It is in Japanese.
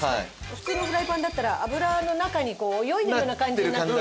普通のフライパンだったら脂の中に泳いでるような感じになって。